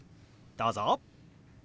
どうぞ。